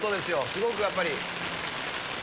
すごくやっぱり。